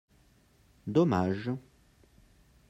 Dommage